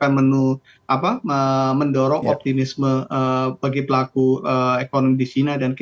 saya tentu ini juga akan mendorong optimisme bagi pelaku ekonomi di china